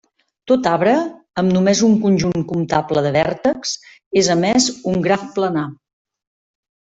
Tot arbre amb només un conjunt comptable de vèrtexs és a més un graf planar.